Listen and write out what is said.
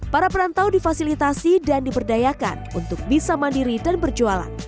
para perantau difasilitasi dan diberdayakan untuk bisa mandiri dan berjualan